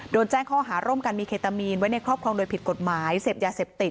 โดนแจ้งข้อหาร่วมกันมีเคตามีนไว้ในครอบครองโดยผิดกฎหมายเสพยาเสพติด